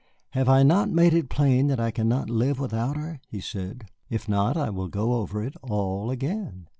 "Have I not made it plain that I cannot live without her?" he said; "if not, I will go over it all again."